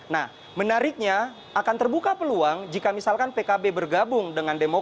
nah menariknya akan terbuka peluang jika misalkan pkb bergabung dengan demokrat